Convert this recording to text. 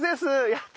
やった。